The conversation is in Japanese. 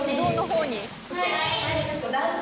はい！